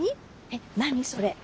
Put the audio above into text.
えっ何それ。